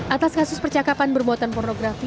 atas kasus percakapan bermuatan pornografi